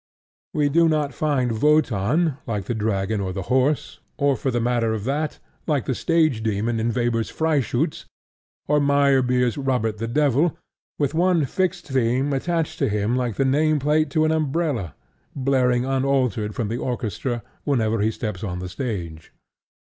We do not find Wotan, like the dragon or the horse, or, for the matter of that, like the stage demon in Weber's Freischutz or Meyerbeer's Robert the Devil, with one fixed theme attached to him like a name plate to an umbrella, blaring unaltered from the orchestra whenever he steps on the stage.